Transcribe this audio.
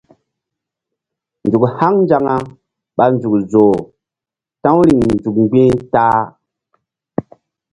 Nzuk haŋ nzaŋa ɓa nzuk zoh ta̧w riŋ nzuk mgbi̧h ta-a.